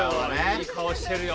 いい顔してるよ。